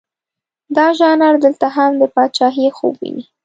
دا ژانر دلته هم د پاچهي خوب ویني.